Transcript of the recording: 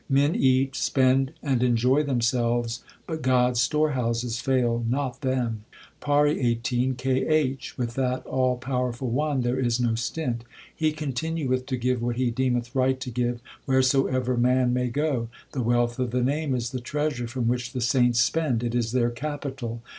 Men eat, spend, and enjoy 3 themselves, but God s store houses fail not them. PAURI XVIII K H. With that all powerful One there is no stint ; He continueth to give what He deemeth right to give, wheresoever man may go. The wealth of the Name is the treasure from which the saints spend ; it is their capital.